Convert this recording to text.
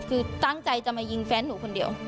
คือตั้งใจจะมายิงแฟนหนูคนเดียว